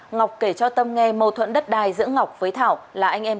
ngọc kể cho tâm nghe mâu thuẫn đất đai giữa ngọc với thảo là anh em